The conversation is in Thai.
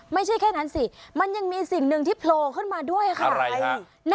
ไม่ใช่แค่นั้นสิมันยังมีสิ่งหนึ่งที่โผล่ขึ้นมาด้วยค่ะ